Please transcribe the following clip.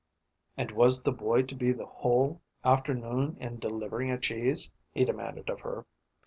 And was the boy to be the whole afternoon in delivering a cheese, he demanded of her?